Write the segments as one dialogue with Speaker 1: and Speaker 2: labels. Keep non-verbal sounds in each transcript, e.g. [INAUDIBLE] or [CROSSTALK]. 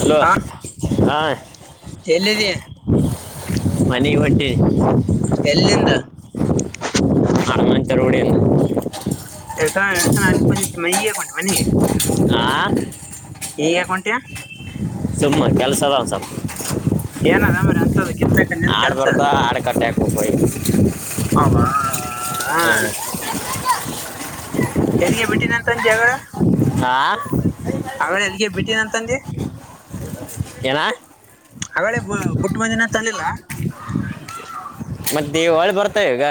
Speaker 1: Hello
Speaker 2: ಹಾ
Speaker 1: ಹಾಂ
Speaker 2: ಎಲ್ಲಿದಿ
Speaker 1: [INAUDIBLE] ಮನೆ ಇ ಒಂಟೆ [INAUDIBLE]
Speaker 2: ಎಲ್ಲಿಂದ
Speaker 1: ಹನುಮಂತ ರೂಢಿ ಅಂತ
Speaker 2: ಗ ಎಡ್ತಾನ ಅಕ್ಕೆ ಮಗಕೊಂಡ ಮನೆಗೆ [UNINTELLIGIBLE]
Speaker 1: [UNINTELLIGIBLE]
Speaker 2: ಹಗ ಯಕಟಯ [UNINTELLIGIBLE]
Speaker 1: ಸುಮ್ಮ ಕೆಲಸದಸ
Speaker 2: ಏನದ ಮರಿ ಅಂತದ ಕಿತ್ತಕ ನಿನ್
Speaker 1: ಆಡ್
Speaker 2: ಕೆಲ್ಸ
Speaker 1: ಬರ್ತಾ ಆಡು ಕಟ್ಟಕ [UNINTELLIGIBLE]
Speaker 2: ಅವವಾ ಹ [UNINTELLIGIBLE]
Speaker 1: [UNINTELLIGIBLE]
Speaker 2: ಹೆಂಗೆ ಬಿಟ್ಟಿನ ಅಂತಂದ ಜಾಗಳ
Speaker 1: ಹಾ
Speaker 2: ಅದೆ ಅಲ್ಲಿಗೆ ಬಿಟ್ಟೀನ ಅಂತಂದೆ
Speaker 1: ಏನ
Speaker 2: ಹಾಗಳೇ ಬೂಟ್ ಬಂದೀನಿ ಹೇಳಿಲ್ಲ
Speaker 1: ಮತ್ತೆ ದೇವಳಿ ಬರ್ತಾವ ಈಗ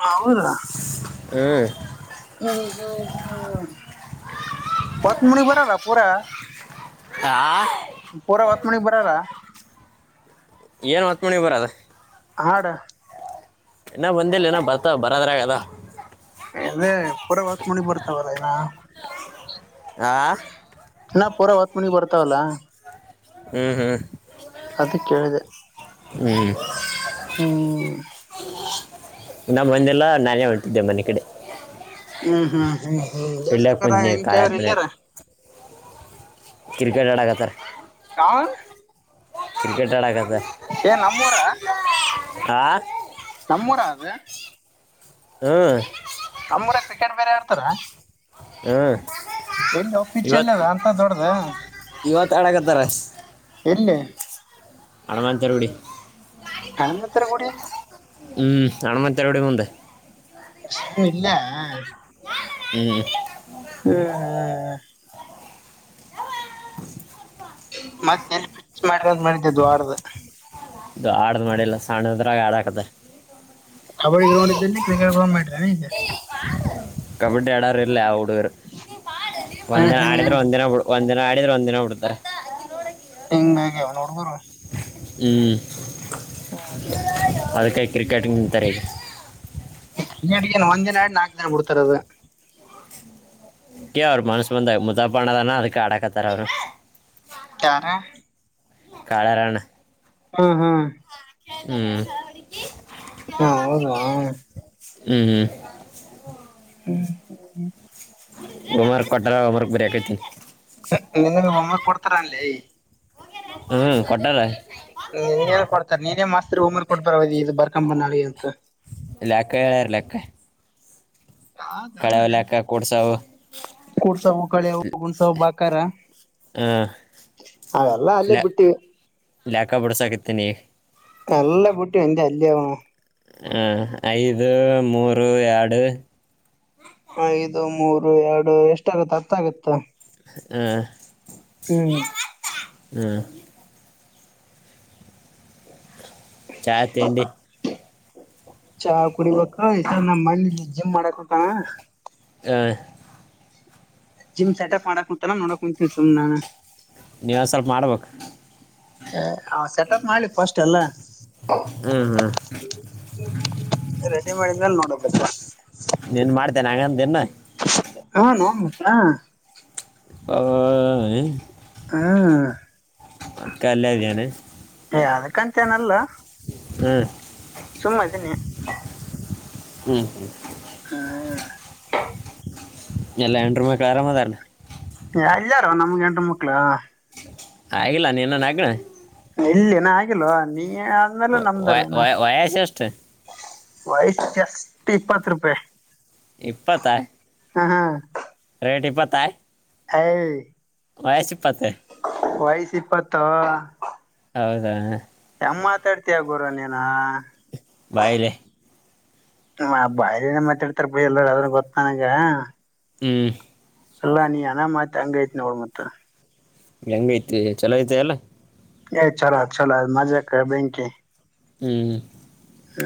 Speaker 2: ಹ ಹೌದಾ [UNINTELLIGIBLE]
Speaker 1: ಹ [INAUDIBLE]
Speaker 2: ಹ್ಮ ಹ್ಮ ಹ್ಮ ಹೊತ್ ಮುನಗ್ ಬರಲ್ಲ ಪೂರಾ
Speaker 1: ಆಾ [INAUDIBLE]
Speaker 2: ಪೂರಾ ಹೊತ್ ಮಣಗ್ ಬರಲ್ಲ
Speaker 1: ಏನ್ ಮಾತ್ ಮನೆಗೆ ಬರಲ್ಲ
Speaker 2: ಆಡ
Speaker 1: ಇನ್ನ ಬಂದಿಲ್ಲ ಏನ ಬರ್ತ ಬರದ್ರಗದ
Speaker 2: ಅದೇ ಪೂರಾ ಹೊತ್ ಮುಣಿ ಬರ್ತಾವಲ್ಲ ಇನ್ನ
Speaker 1: ಹಾ [INAUDIBLE]
Speaker 2: ನಾ ಪೂರಾ ಹೊತ್ ಮಣಿ ಬರ್ತಾವಲ್ಲ
Speaker 1: ಹ್ಮ್ ಹ್ಮ್ [INAUDIBLE]
Speaker 2: ಅದ ಕೇಳಿದೆ
Speaker 1: ಹ್ಮ್
Speaker 2: ಹ್ಮ್
Speaker 1: ಇನ್ನ ಬಂದಿಲ್ಲ ನಾನೇ ಹೊಂಟಿದ್ದೆ ಮನೆ ಕಡೆ
Speaker 2: ಹ್ಮ್ ಹ್ಮ್ ಹ್ಮ್ ಹ್ಮ
Speaker 1: ಇಲ್ಲೇ
Speaker 2: ದಸಕ
Speaker 1: ಕುಂತೀನಿ ಕಾಳ್ಯಾರ
Speaker 2: ಹೆಂಗಕಾವ್ರ [UNINTELLIGIBLE]
Speaker 1: ಮನೆ
Speaker 2: ಇಲ್ಲಾರ
Speaker 1: ಕ್ರಿಕೆಟ್ ಆಡಕತಾರ
Speaker 2: ಆ [INAUDIBLE]
Speaker 1: ಕ್ರಿಕೆಟ್ ಆಡಕತ್ತಾರ
Speaker 2: ಏ ನಮ್ಮೂರ
Speaker 1: ಆ [INAUDIBLE]
Speaker 2: ನಮ್ಮೂರ ಅದು
Speaker 1: ಹ್ಞೂ
Speaker 2: ನಮ್ಮೂರ ಕ್ರಿಕೆಟ್ ಬೇರೆ ಆಡ್ತಾರ
Speaker 1: ಹ್ಮ್
Speaker 2: ಎಲ್ಲಿ ಹ ಪಿಚ್ ಎಲ್ಲ ಅದ ಅಂತ ದೊಡ್ಡ್ದ
Speaker 1: ತಡಗ ತರಸ್ [UNINTELLIGIBLE]
Speaker 2: ಇಲ್ಲ
Speaker 1: ಹನುಮಂತ ಗುಡಿ
Speaker 2: ಹನುಮಂತರ ಗುಡಿ
Speaker 1: ಹ್ಮ್ ಹನುಮಂತರ ರೌಡಿ ಮುಂದೆ
Speaker 2: ಸಮ [UNINTELLIGIBLE] ಇಲ್ಲೇ
Speaker 1: ಹ್ಮ್
Speaker 2: ಹ್ಮ ಹಾ [INAUDIBLE] ಮತ್ತ ಎಲ್ಲಿ ಪಿಚ್ ಮಾಡಂತ ಮಾಡಿದ್ದಿದ್ದ ದೊಡ್ದು
Speaker 1: ದೊಡ್ಡದು ಮಾಡಿಲ್ಲ ಸಣ್ಣದ್ರಾಗ ಹಾಡಾಕ್ದ
Speaker 2: ಕಬಡ್ಡಿ ಗ್ರೌಂಡ್ ಇದ್ದ ಕ್ರಿಕೆಟ್ ಗ್ರೌಂಡ್ ಮಾಡ್ರಿ ಇದೆ
Speaker 1: ಕಬಡ್ಡಿ ಆಡಾರ ಇಲ್ಲ ಹುಡು
Speaker 2: ಹ್ಮ್
Speaker 1: ಒಂದಿನ
Speaker 2: ಹ್ಮ್
Speaker 1: ಆಡಿದ್ರ ಒಂದಿನ ಒಂದಿನ ಆಡಿದ್ರೆ ಒಂದ್ಿನ ಬಿಡ್ತಾರೆ
Speaker 2: ಹೆಂಗ ಹಗ್ಯಾವ ನೋಡ್ಗರು
Speaker 1: ಹ್ಮ್ ಅದ್ಕೈ ಕ್ರಿಕೆಟ್ ನಿಂತಾರೆ ಈಗ
Speaker 2: ನ ಏನ್ ಒಂದ್ ದಿನ ಆಡ್ ನಾಕು ದಿನ ಬಿಡ್ತಾರದು
Speaker 1: ಕ ಅವ್ರು ಮನ್ಸ್ ಬಂದಾಗ ಮುದಪಣ್ಣದಾನ ಅದಕ್ಕೆ ಆಡಾಕತ್ತಾರ ಅವ್ರು
Speaker 2: ಯಾರ
Speaker 1: ಕಾಳರಣ್ಣ
Speaker 2: ಹಾ ಹಾ
Speaker 1: ಹ್ಮ್
Speaker 2: ಹಾ ಹೌದುವ
Speaker 1: ಹ್ಮ್ ಹ್ಮ
Speaker 2: ಹ
Speaker 1: ಒಮರ್ ಕೊಟ್ಟರ್ ಹೋಮೇವರ್ಕ್ ಹೋಂ ವರ್ಕ್ ಬರಿಯಕತೀನಿ
Speaker 2: ನಿನ್ನ ಒಮ್ಮ ಕೊಡ್ತಾರ ಅಲ್ಲಿ
Speaker 1: ಹಾ ಕೊಟ್ಟಾರೆ
Speaker 2: ಹ ನೀನ್ ಕೊಡ್ತಾರೆ ನೀನೇ ಮಾಸ್ತ್ರಿ ಉಮರ್ ಕೊಡ್ಬರ ಇದು ಬರ್ಕಂಬ ನಳಿ ಅಂತ
Speaker 1: ಲೆಕ್ಕ ಹೇಳಾರ ಲೆಕ್ಕ ಕಳೆಾವಲ್ಕ ಕೂಡ್ಸವು
Speaker 2: ಕೂಡ್ಸವು ಕಳೆವು ಗುಣಸವು ಬಾಕಾರ
Speaker 1: ಆ
Speaker 2: ಅವೆಲ್ಲ ಅಲ್ಲೇ
Speaker 1: ಲೆ
Speaker 2: ಬಿಟ್ಟು
Speaker 1: ಲೆಕ್ಕ ಬಿಡ್ಸಕತ್ತೇ ನೀ
Speaker 2: ಎಲ್ಲ ಬಿಟ್ಟು ಎಂತ ಅಲ್ಲಿಯ
Speaker 1: ಹ ಐದು ಮೂರು ಎರಡು
Speaker 2: ಐದು ಮೂರು ಎರಡು ಎಷ್ಟಾಗುತ್ತ ಅತ್ತ ಆಗುತ್ತ
Speaker 1: ಹ
Speaker 2: ಹೂ
Speaker 1: ಹ್ಮ ಚಾಯ ತಿಂಡಿ
Speaker 2: ಚಾ ಕುಡಿಬೇಕ ಈ ನಮ್ಮ್ ಮಣಲಿ ಜಿಮ್ ಮಾಡಕ್ ಉಂಟಾನ
Speaker 1: ಹ
Speaker 2: ಜಿಮ್ ಸೆಟಪ್ ಮಾಡಕ್ ಕುಂತಲ್ಲ ನೋಡಕಕ್ ಕುಂತಿನಿ ಸುಮ್ ನಾನು
Speaker 1: ನೀವ್ ಸ್ವಲ್ಪ ಮಾಡ್ಬೇಕ
Speaker 2: ಹ ಸೆಟಪ್ ಮಾಡ್ಲಿ ಫಸ್ಟ್ ಎಲ್ಲಾ
Speaker 1: ಹ್ಞೂ ಹ್ಞೂ
Speaker 2: ರೆಡಿ ಮಾಡಿದ್ಮೇಲೆ ನೋಡಬೇಕ
Speaker 1: ನೀನ್ ಮಾಡ್ತೇನೆ ಹಂಗಂದ ಇನ್
Speaker 2: ನೋ ಮತ್ತ ಹಾ
Speaker 1: ಹ....
Speaker 2: ಹಾ
Speaker 1: ಅಕ್ಕ ಅಲ್ಲದಯಾನ
Speaker 2: ಕಂಚನಲ್ಲ
Speaker 1: ಹ್ಮ
Speaker 2: ಸುಮ್ ಅದಿನಿ
Speaker 1: ಹ್ಮ್ ಹ್ಮ್
Speaker 2: ಹಾ
Speaker 1: ಎಲ್ಲ ಹೆಂಡ್ರು ಮಕ್ಳು ಆರ ಮಾದಾರಣ
Speaker 2: ಅಲ್ಲಯಾರ ನಮ್ಗೆ ಹೆಂಡ್ರು ಮಕ್ಳ
Speaker 1: ಆಗಿಲ್ಲ ನೀನನ್ ಆಗಣ
Speaker 2: ಎಲ್ಲಿನ ಆಗಿಲ್ವಾ ನೀ ಅಂದಲ್ಲ ನಮ್ದಲ್ಲನ
Speaker 1: ವಯಸ್ಸು ಎಷ್ಟು
Speaker 2: ವಯಸ್ ಎಷ್ಟ ಇಪ್ಪತ್ತು ರೂಪಾಯಿ.
Speaker 1: ಇಪ್ಪತ್ತಾಯ.
Speaker 2: ಹಾ ಹಾ.
Speaker 1: ರೇಟ್ ಇಪ್ಪತ್ತ.
Speaker 2: ಹೇ.
Speaker 1: ವಯಸ್ಸ ಇಪ್ಪತ್ತ.
Speaker 2: ವಯಸ ಇಪ್ಪತೊ.
Speaker 1: ಹೌದಾ.
Speaker 2: ನಮ ಮಾತಾಡ್ತಿಯ ಗುರು ನೀನು.
Speaker 1: ಬಾಯಲೆ.
Speaker 2: ಬಾಯನ ಮಾತಾಡ್ತಾರ ಬ ಎಲ್ಲರ ಅದನ್ ಗೊತ್ತ ನನಗ.
Speaker 1: ಹ್ಮ್.
Speaker 2: ಅಲ್ಲಾ ನೀ ಅನಾಮ ಮಾತ್ ಹಂಗಐತ್ ನೋಡ್ ಮತ್.
Speaker 1: ಹೆಂಗ್ ಐತಿ ಚಲೋ ಐತೆ ಎಲ್ಲ.
Speaker 2: ಏ ಚಲ ಚಲ ಮ್ಾ ಕ ಬ್ಯಾಂಕೆ.
Speaker 1: ಹ್ಮ್.
Speaker 2: ಹ್ಮ.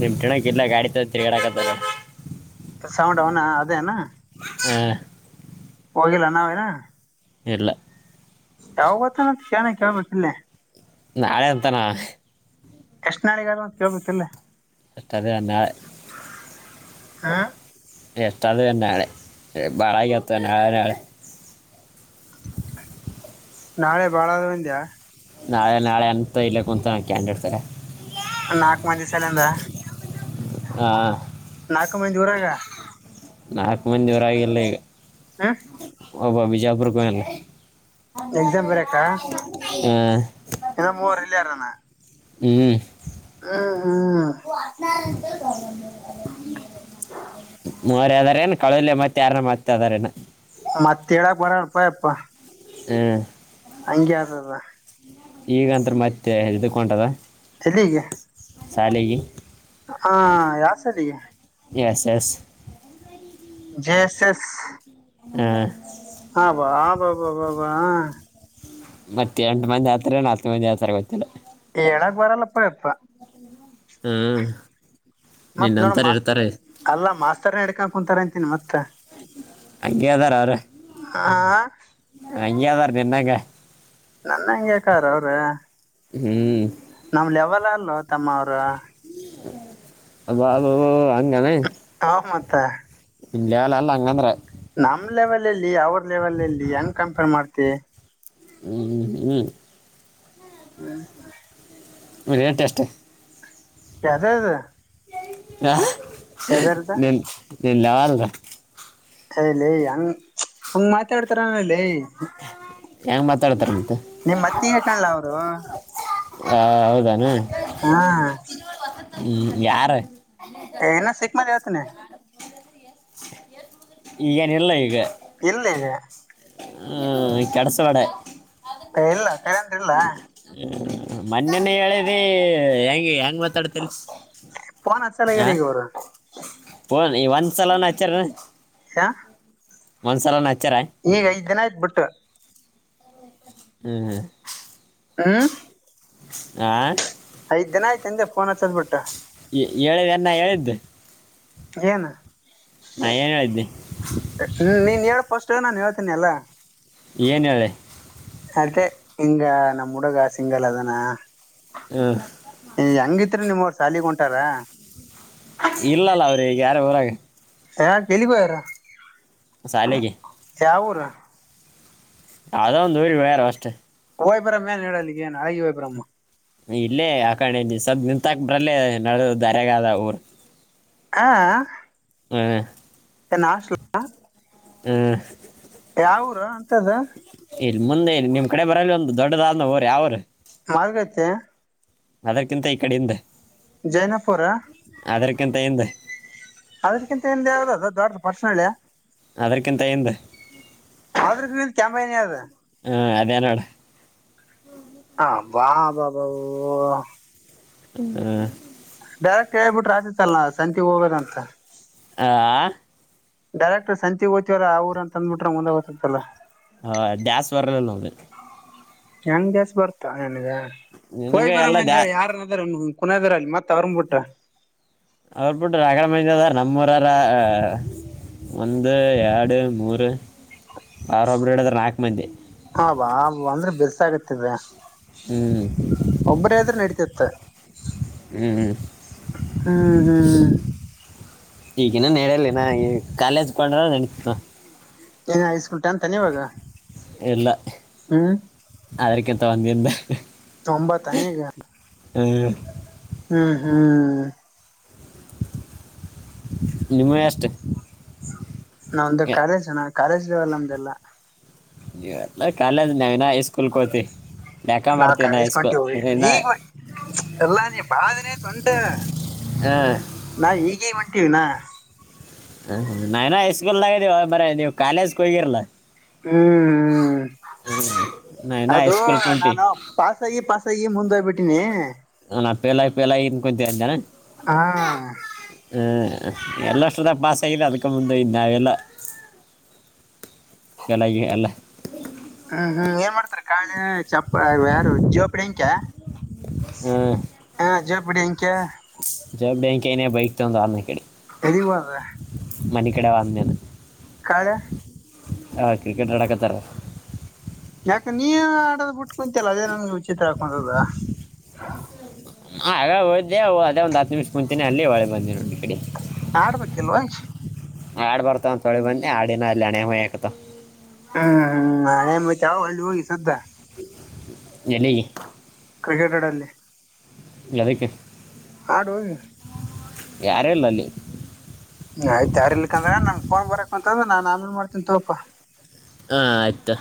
Speaker 1: ನಿಮ್ ತಿಣಕ್ ಇಲ್ಲ ಗಾಡಿ ತ ತಿರ್ಗಾಡಕತ್ತದ.
Speaker 2: ಸೌಂಡ್ ಅವನ ಅದೇನಾ.
Speaker 1: ಹ್ಮ.
Speaker 2: ಹೋಗಿಲ್ಲ ನಾವೇನ.
Speaker 1: ಇರಲ್ಲ.
Speaker 2: ಯಾವಾಗತ್ತನತ್ ಕನ ಕೇಳ್ಬೇಕ ಇಿಲ್ಲೇ.
Speaker 1: ನ ಅಳೆಯಂತಾನ.
Speaker 2: ಎಷ್ಟ ನಾಳಿಗದು ಮತ್ತ ಕೇಳ್ಬೇಕತಿಲ್ಲ.
Speaker 1: ಎಷ್ಟದೆ ಅನ್ನ.
Speaker 2: ಹ.
Speaker 1: ಎತ್ತದ ತನ್ನ ಆಳೆ ಬಾಳಕ್ಕೆ ಎತ್ತನೆಳೆಳ.
Speaker 2: ನಾಳೆ ಬಾಳಾದ ಮಂದ್ಯಾ.
Speaker 1: ನಾಳೆ ನಾಳೆ ಅಂತ ಇಲ್ಲ ಕುಂತ ಕ್ಯಾಂಡ್ ಇಡ್ತಾರೆ.
Speaker 2: ನಾಲ್ಕು ಮಂದ ದಿವ ಸಾಲಂದಾ.
Speaker 1: ಹಾ.
Speaker 2: ನಾಲ್ಕು ಮಂದ ಊರಾಗ.
Speaker 1: ನಾಲ್ಕು ಮಂದವರ ಆಾಗಿಲ್ಲ ಈಗ.
Speaker 2: ಹಾ.
Speaker 1: ಹಬ ಬಿಜಾಪುರಕ್ಕಲ್ಲ ಹ.
Speaker 2: ಎ ಮೂವರು ಹಳ್ಳಾರಾನ.
Speaker 1: ಹ್ಮ್.
Speaker 2: [UNINTELLIGIBLE]
Speaker 1: ಮೋರ ಅದಾರೇನ್ ಕಳಲೆಯ ಮತ್ತೆ ಯಾರ ಮತ್ತೆ ಅದಾರೇನ.
Speaker 2: ಮತ್ತ ಹೇಳಾಕ್ ಬರಲ್ಪಪ್ಪಾ.
Speaker 1: ಹ್ಮ್.
Speaker 2: ಹಂಗೆ ಆದದ.
Speaker 1: ಈಗಂತ್ರ ಮತ್ತೆ ಎಕೊಂಟದ.
Speaker 2: ಎಲ್ಲಿಗೆ
Speaker 1: ಸಾಲಿಗೆ.
Speaker 2: ಹಾ ಯಾ ಸಲಿ.
Speaker 1: Yes yes.
Speaker 2: ಜೇಸ ಎಸ್.
Speaker 1: ಹ್ಮ.
Speaker 2: ಹಾಾ ಬಾಬ ಬಾಬಾ.
Speaker 1: ಮತ್ತತ್ ಎಂಟು ಮಂದಿ ಆತರ ನಾಲ್ಕು ಮಂದಿ ಆತರ ಗೊತ್ತಿಲ್ಲ
Speaker 2: ಏಳಕ್ ಬಾರಲ್ಲಪ್ಪ ಅಪ್ಪ
Speaker 1: ಹ್ಮ್
Speaker 2: ಮತ್ತ್ ನೋಡ
Speaker 1: ನಿನ್ನಂತರ
Speaker 2: ಮಾಸ್
Speaker 1: ಇರ್ತಾರೆ
Speaker 2: ಅಲ್ಲಾ ಮಾಸ್ತರ್ನ ಹಡ್ಕ ಕುಂತಾರ ಅಂತೀನಿ ಮತ್ತ
Speaker 1: ಅ ಹದಾರ ಯಾರ
Speaker 2: ಆ
Speaker 1: ಹಂಗದಾರ ನಿನ್ನಾಗ
Speaker 2: ನನ್ನ ಹಂಗ ಯ ಕಾರ ಅವ್ರೆ
Speaker 1: ಹ್ಮ್
Speaker 2: ನಮ್ ಯಾವಲ್ಲ ಅಲ್ವ ತಮ್ಮ ಅವ್ರ
Speaker 1: ಅ ಬಬ ಹಂಗಾನ
Speaker 2: ಹ ಮತ್ತ
Speaker 1: ಇಲ್ಲ ಅಲ್ಲ ಅಲ್ಲ ಹಂಗಂದ್ರೆ
Speaker 2: ನಮ್ ಲೆವೆಲ್ಲ್ಲಿ ಅವ್ರ ಲೆವೆಲ್ಲ್ಲಿ ಹೆಂಗ್ ಕಂಪೇರ್ ಮಾಡ್ತ
Speaker 1: ಹ್ಮ್ ಹ್ಮ್ ಹ್ಮ್
Speaker 2: ಹ್ಮ ಹಾ
Speaker 1: ಮೇನ್ಟ ಎಷ್ಟ
Speaker 2: ಕದದ
Speaker 1: ಹ ನಿನ್ ನಿನ್ ಲಾವಾಲದ
Speaker 2: ಲಿಯ ಹಂಗ್ ಹಂಗ್ ಮಾತಾಡ್ತಾರನಲ್ಲಿಯ
Speaker 1: ಹೆಂಗ್ ಮಾತಾಡ್ತಾರ ನೀ
Speaker 2: ನಿಮ್ ಮತ್ತಗಕಲ್ಲ ಅವರು
Speaker 1: ಹ ಹೌದಾನ
Speaker 2: ಹಾ
Speaker 1: ಹ್ಮ ಯಾರ
Speaker 2: ಎನ ಶೆಖ ಮಾಡ ಲತ
Speaker 1: ಈಗೇನಿಲ್ಲ ಈಗ
Speaker 2: ಇಲ್ಲೇನೆ
Speaker 1: ಹ್ಮ್ ಕೆಡಸವಾಡೆ
Speaker 2: ಏನನ್ ಇಲ್ಲ
Speaker 1: ಹ್ಮ ಮೊನ್ನನ ಹೇಳಿದಿ ಹೆಂಗ ಹೆಂಗ ಮ ಡತ
Speaker 2: ಫೋನ್ ಹಚ್ಚಲಾಗ್ಯಾರ ಈಗ ಅವರು
Speaker 1: ಆ ನೀ ಒಂದ್ಸಲನ್ ಆಚಾರ
Speaker 2: ಹ
Speaker 1: ಒಂದ್ಸಲ ನಾ
Speaker 2: ಈಗ ಐದ್ ದಿನ ಆಯ್ತ್ ಬಿಟ್ಟು
Speaker 1: ಹ್ಮ್ ಹ್ಮ್
Speaker 2: ಹ
Speaker 1: ಆ
Speaker 2: ಐದ ದಿನ ಆಯ್ತ ಅಂದೆಫೋನ್ ಹೋಬಟ್ಟ
Speaker 1: ಹೇಳಿದೆನ್ನ ಹೇಳಿದ್ದು
Speaker 2: ಏನು
Speaker 1: ನಯ ಏನ್ದೆ
Speaker 2: ಹೇಳಳ್ಫಸ್ಟ್ ನಾನನ್ ಹೇಳ್ತೀನಿಲ್ಲಾ
Speaker 1: ಏನೆ
Speaker 2: ಅದೇ ಹಿಂಗ ನಮ್ ಹುಡುಗ ಸಿಂಗಲ್ ಅದಾನ
Speaker 1: ಹಾ
Speaker 2: ಹೆಂಗಿತ್ರಿ ನಿಮ್ಮವ್ರ ಸಾಲಿಗ ಹೊಂಟಾರ
Speaker 1: ಇಲ್ಲಲ್ಲ ಅವ್ರ ಈಗ ಯಾರ ಊರಾಗ
Speaker 2: ಹ ಕೇಳಗ ಎರ
Speaker 1: ಸ ಅಲೆಗೆ
Speaker 2: ಹ್ಯಾವುರು
Speaker 1: ಅ ಒಂದು [UNINTELLIGIBLE] ಅಷ್ಟೇ
Speaker 2: ವೈಬ್ರಹಮ್ಮ ಏನು ಹೇಳಲಿ ಏನು ಹ ಹಾಗಿ ವೈಬ್ರಹಮ್ಮ
Speaker 1: ಇಲ್ಲೇ ಆಕಣೆ ನೀ ಸ್ವಲ್ ನಿಂತಾಕ್ ಬ್ರಲ್ಲೇ ನಡ ದಾರಾಗಾದ ಊರ್
Speaker 2: ಹಾ ಹ
Speaker 1: ಹ
Speaker 2: ಕನ್ನಶಲ [UNINTELLIGIBLE]
Speaker 1: ಹ್ಮ್
Speaker 2: ಯಾವೂರು ಅಂತದು
Speaker 1: ಇಲ್ಲಿ ಮುಂದೆ ಇನ್ ನಿಮ್ ಕಡೆ ಬರಲಿ ಒಂದು ದೊಡ್ಡದಾದ್ ರ ಯಾವರು
Speaker 2: ಮಾರ್ಗೈತೆ
Speaker 1: ಅದರ್ಕಿಂತ ಈ ಕಡೆಯಿಂದೆ
Speaker 2: ಜನಪುರ
Speaker 1: ಅದ್ರಕ್ಕಿಂತ ಎಿಂದ
Speaker 2: ಅದಕ್ಕಿಂತ ಎಂದ ಯಾವ್ದ ದೊಡ್ಡ ಪರ್ಸಳ್ಳ
Speaker 1: ಅದಕ್ಕಿಂತ ಎಂದ
Speaker 2: ಆದ್ರಕ ಮೇಲೆ [UNINTELLIGIBLE] ಅದ
Speaker 1: ಹ್ಮ ಅದೇನೋಡ
Speaker 2: ಹ ಬಾ ಬಾಬಾವು [UNINTELLIGIBLE]
Speaker 1: ಹ್ಮ
Speaker 2: ಡೈರೆಕ್ಟ್ ಹೇಳ್ಬಿಟ್ರೆ ಆತಿತ್ತಲ್ಲ ನ ಸಂತಿಗ್ ಹೋಗದಂತ
Speaker 1: ಆ
Speaker 2: ಡೈರೆಕ್ಟ್ ಸಂಚಿ ಹೋಯ್ತಿವ್ರಿ ಆ ಊರ್ ಅಂತಂದ್ಬಿಟ್ರೆ ಮುಂದೆ ಹತತ್ತಲ್ಲ
Speaker 1: ಹಾ ಡ್ಯಾಸ್ ಬರಲ್ಲಲ್ಲದು [UNINTELLIGIBLE]
Speaker 2: ಹೆಂಗ ದಸ್ ಬರ್ತ ನನಗ
Speaker 1: ನಿನಗ
Speaker 2: ಹಯ್ ಬರ
Speaker 1: ಎಲ್ಲ
Speaker 2: ಮೇನ್
Speaker 1: ದ್ಯಾ
Speaker 2: ಹೇಳಿ ಯಾರನಾದ್ರ ಕುನಾದಾರ ಅಲ್ಲಿ ಮತ್ ಅವರ್ ಬಿಟ್ಟ
Speaker 1: ಅವ್ರಬಿಟ್ಟು ರಾಘ ಮದ ನಮ್ಮೂರಲ್ಲ ಒಂದು ಎರಡು ಮೂರು ಆರೊಬ್ಬ ಎರಡದ್ರ ನಾಲ್ಕು ಮಂದೆ
Speaker 2: ಬಸ [UNINTELLIGIBLE] ಆಾಗತಿದೆ
Speaker 1: ಹ್ಮ್
Speaker 2: ಒಬರಿದ್ರೆ ನಡತಿತ್ತ
Speaker 1: ಹ್ಮ್
Speaker 2: ಹ್ಮ್ ಹ್ಮ್
Speaker 1: ಈಗಿನ ನೆಡಲಿನ ಕಾಲೇಜಕೊಂಡ್ರ ನೆಡತ
Speaker 2: ಏ ಹೈಸ್ಕೂ ಟ್ಯಾಂನ ಇವಾಗ
Speaker 1: ಎಲ್ಲ
Speaker 2: ಹ್ಮ್
Speaker 1: ಅವಕೆ ತೋಂದಿಂದ
Speaker 2: ಒಂಬತ್ತನ ಈಗ
Speaker 1: ಹ್ಮ್
Speaker 2: ಹ್ಮ್ ಹ್ಮ್
Speaker 1: ನಿಮ್ಮ ಅಷ್ಟು
Speaker 2: ನಾವೊಂದು ಕಾಲೇಜ್ ಅನಾ ಕಾಲೇಜ್ವಲ ನ್ಮ್ಮ್ದಲ್ಲ
Speaker 1: ನೀ ಕಾಲೇಜು [UNINTELLIGIBLE] ಸ್ಕೂಲ್ ಕೊತಿ
Speaker 2: ನಾವು ಕಾಲೇಜ್ ಗ್ ಒಂಟಿವ್ರಿ ನೀ ಎಲ್ಲಾ ನೀ ಬಾದನೇ ತೊಟ
Speaker 1: ಹಾಂ
Speaker 2: ನಾ ಈಗೇ ವಂಟೀವಿಿನ
Speaker 1: ಹ ನಾನನ ಹಐಸ್ಕೂಲ್ ನಾಗೀವ ಮರ ನೀವ್ ಕಾಲೇಜ್ಗೆ ಹೋಗಿರ್ಲಾ
Speaker 2: ಹ್ಮ್ ಹ್ಮ
Speaker 1: ನಾವಿನ
Speaker 2: ಅದು
Speaker 1: ಹೈಸ್ಕೂಲ್ ಕೊಂಟಿ
Speaker 2: ನಾನು ಪಾಸಗಿ ಪಾಸಗಿ ಮುಂದೋಗಬಿಟ್ಟೀನಿ
Speaker 1: ನಾ ಪೇಲಾಗಿ ಪೇಲಾಗಿ ಇಂದಕುಂತೇವ್ನ
Speaker 2: ಹಾ
Speaker 1: ಹ್ಮ್ ಎಲ್ಲಷ್ಟ್ರದಾಗ ಪಾಸ್ ಆಗಿದೆ ಅದ್ಕ ಮುಂದೆ ನಾವೆಲ್ಲ ಚಲಾಗಿ ಅಲ್ಲ
Speaker 2: ಹ್ಮ್ ಹ್ಮ್ ಏನ್ ಮಾಡ್ತಾರ ಕಾಳಿ ಚಪ್ಪ ಯಾರು ಜೋಪಡಿ ಹಂಕ ಹಾ ಜೋ ಬಿಡಿಗೆ [UNINTELLIGIBLE]
Speaker 1: ಜವಾಬ್ ಬ್ಯಾಂ ನೇ ಬೈಕ್ತ ಒಂದು ಆನ ಕಡೆ.
Speaker 2: ಎಲ್ಲಿಗ್ ಹೋದ
Speaker 1: ಮನ ಕಡೆ ಒಂದೇನೆ
Speaker 2: ಕಾಳೆ
Speaker 1: ಹಾ ಕ್ರಕೆಟ ಅಡಕಥಾರೆ
Speaker 2: ಯಾಕ ನೀ ಆಡೋದ್ ಬಿುಟ್ಕೊಂತಲ್ಲ ಅದೇ ನನ್ ವಿಚಿತ್ರ ಆಗ ಕುಂತಾದ.
Speaker 1: ಹ ಆಗ ಹೊದೆ ಅದೇ ಒಂದ ಹತ್ತು ನಿಮಿಷ ಮುಂಚೆನೆ ಅಲ್ಲಿ ಹೊಳೆ ಬಂದೇ ನೋ ಕಡೆ
Speaker 2: ಆಡ್ಬೇಕಿಲ್ವಾಚ್
Speaker 1: ಆಡ್ ಬರ್ತಾವಂತೊಳಿ ಬನ್ನಿ ಆಡಿನ ಅಲ್ಲಿ ಅಣೆ ಹೋಯಾಕತ
Speaker 2: ಹ್ಮ್ ಹ್ಮ್ ಹಳೆ ಮತ್ವ ಒಳ್ಳಿ ಹೋಗಿ ಸದ್ದಾ
Speaker 1: ಎಲ್ಲಿ
Speaker 2: ಕ್ರಿಕೆಟ್ ಅಡಲ್ಲಿ
Speaker 1: ಯದಕ್ಕೆ
Speaker 2: ಹಾಡುವ
Speaker 1: ಯಾರೇ ಇಲ್ಲಲ್ಲಿ
Speaker 2: ಆಯ್ತ ಯಾರ ಇಲ್ಕಂದ್ರ ನಮ್ ಕೋನ್ ಬರಕ್ ಅಂತಂದ್ರ ನಾನ್ ಆಮೇಲೆ ಮಾಡ್ತೀನಿ ತೋಪಾ
Speaker 1: ಆ ಆಯ್ತು